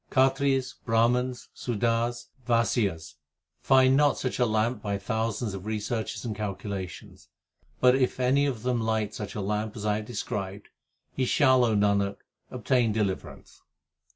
Khatris, Brahmans, Sudars, and Vaisyas Find not such a lamp by thousands of researches and calculations ; But if any of them light such a lamp as I have described, He shall, O Nanak, obtain deliverance.